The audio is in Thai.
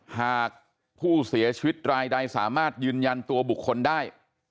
หากผู้เสียชีวิตรายใดสามารถยืนยันตัวบุคคลได้